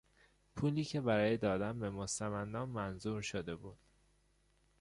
پولی که برای دادن به مستمندان منظور شده بود